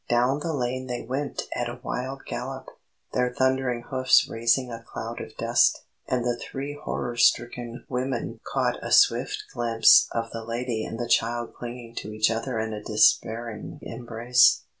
Down the lane they went at a wild gallop, their thundering hoofs raising a cloud of dust, and the three horror stricken women caught a swift glimpse of the lady and the child clinging to each other in a despairing embrace.